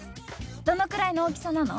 どのくらいの大きさなの？